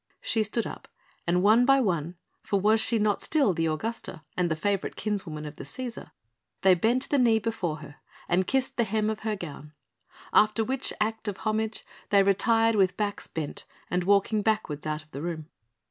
She stood up and one by one for was she not still the Augusta and the favourite kinswoman of the Cæsar? they bent the knee before her and kissed the hem of her gown. After which act of homage they retired with backs bent and walking backwards out of the room.